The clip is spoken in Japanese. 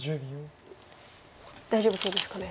大丈夫そうですかね？